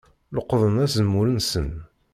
Leqḍen azemmur-nsen.